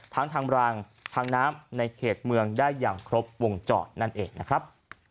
ทั้งทางรางทางน้ำในเขตเมืองได้อย่างครบวงจรนั่นเองนะครับ